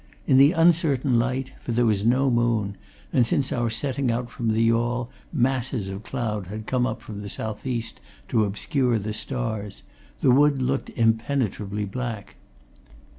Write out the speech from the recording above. In the uncertain light for there was no moon and since our setting out from the yawl masses of cloud had come up from the south east to obscure the stars the wood looked impenetrably black.